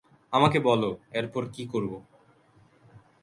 আমাকে বলো এরপর কী করবো।